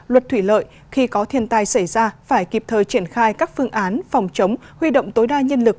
luật thủy lợi khi có thiên tai xảy ra phải kịp thời triển khai các phương án phòng chống huy động tối đa nhân lực